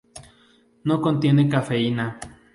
No contiene cafeína.